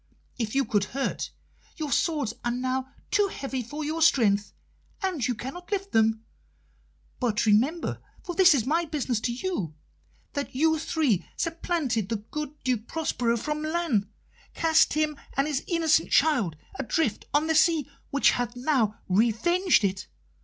If you could hurt, your swords are now too heavy for your strength, and you cannot lift them. But remember for this is my business to you that you three supplanted the good Duke Prospero from Milan, cast him and his innocent child adrift on the sea, which hath now revenged it.